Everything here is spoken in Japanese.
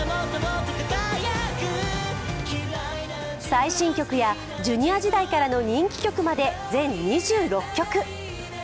最新曲やジュニア時代からの人気曲まで全２６曲。